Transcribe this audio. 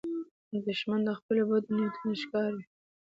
دښمن د خپلو بدو نیتونو ښکار وي